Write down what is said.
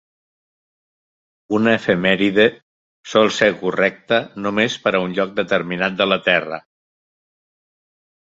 Una efemèride sol ser correcta només per a un lloc determinat de la Terra.